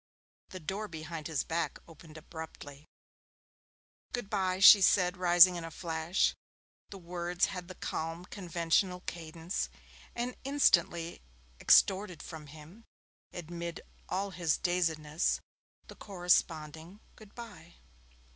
The door behind his back opened abruptly. 'Goodbye,' she said, rising in a flash. The words had the calm conventional cadence, and instantly extorted from him amid all his dazedness the corresponding 'Goodbye'.